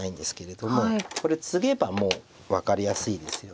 これツゲばもう分かりやすいですよね。